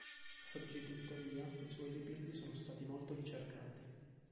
Oggi, tuttavia, i suoi dipinti sono stati molto ricercati.